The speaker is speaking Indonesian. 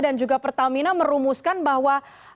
dan juga pertamina merumuskan bahwa